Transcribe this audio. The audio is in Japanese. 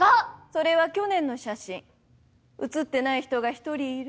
それは去年の写真写ってない人が１人いる。